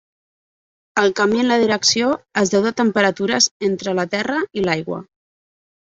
El canvi en la direcció és deu de temperatures entre la terra i l'aigua.